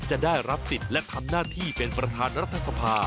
จะได้รับสิทธิ์และทำหน้าที่เป็นประธานรัฐสภา